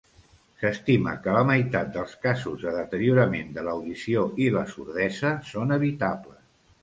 S'estima que la meitat dels casos de deteriorament de l'audició i la sordesa són evitables.